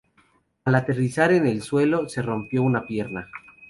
Al aterrizar en el suelo, se rompió una pierna.